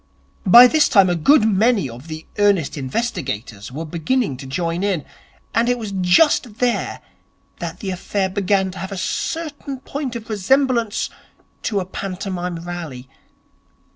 By this time a good many of the Earnest Investigators were beginning to join in; and it was just there that the affair began to have certain points of resemblance to a pantomime rally.